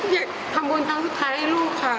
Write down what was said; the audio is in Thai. อยากทำบุญครั้งสุดท้ายให้ลูกค่ะ